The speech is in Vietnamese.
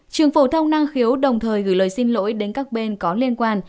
trường phổ thông năng khiếu đồng thời gửi lời xin lỗi đến các bên có liên quan